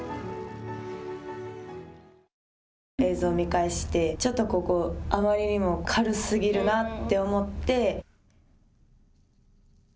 映像を見返してちょっとここ、あまりにも軽すぎるなと思って。